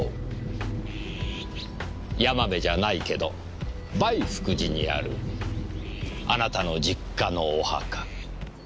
「山部じゃないけど梅福寺にあるあなたの実家のお墓」